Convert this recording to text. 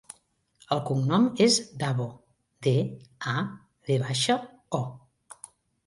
El cognom és Davo: de, a, ve baixa, o.